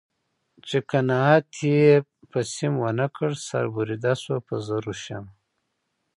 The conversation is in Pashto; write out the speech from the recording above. چې قناعت یې په سیم و نه کړ سر بریده شوه په زرو شمع